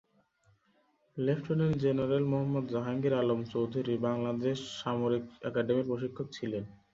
Lieutenant general Mohammad Jahangir Alam Chowdhury Bangladesh সামরিক একাডেমীর প্রশিক্ষক ছিলেন।